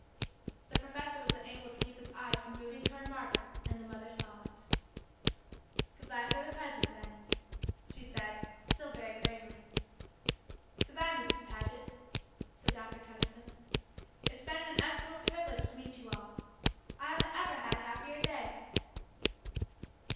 The professor was unable to keep his eyes from moving toward Margaret, and the mother saw it. "Good bye for the present, then," she said, still very gravely. "Good bye, Mrs. Paget," said Doctor Tenison. "It's been an inestimable privilege to meet you all. I haven't ever had a happier day."